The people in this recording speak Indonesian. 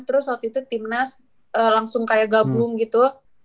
terus waktu itu tim nas langsung kayak gabung gitu